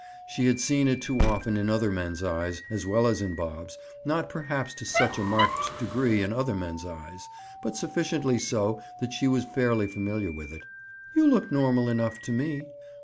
She had seen it too often in other men's eyes, as well as in Bob's—not perhaps to such a marked degree in other men's eyes, but sufficiently so that she was fairly familiar with it. "You look normal enough to me."